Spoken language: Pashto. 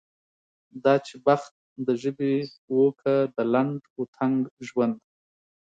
دا چې بخت د ژبې و که د لنډ و تنګ ژوند.